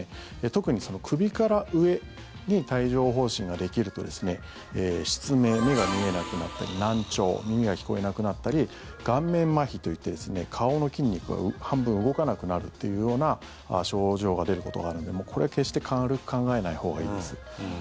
特に首から上に帯状疱疹ができると失明、目が見えなくなったり難聴、耳が聞こえなくなったり顔面まひといって、顔の筋肉が半分動かなくなるというような症状が出ることがあるのでこれは決して軽く考えないほうがいいです。